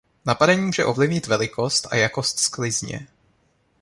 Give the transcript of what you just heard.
Napadení může ovlivnit velikost a jakost sklizně.